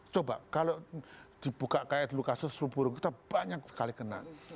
coba kalau dibuka kayak lukasus seburung kita banyak sekali kena